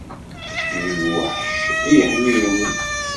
D lweḥc i yiḥbiben-iw.